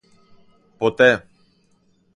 Ποτέ.